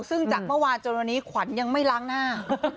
ซึ่งจากเมื่อวานจนวันนี้ขวัญยังไม่ล้างหน้า